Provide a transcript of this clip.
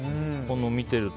見てると。